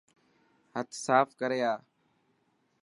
هٿ صاف ڪري آءِ.